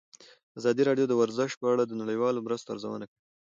ازادي راډیو د ورزش په اړه د نړیوالو مرستو ارزونه کړې.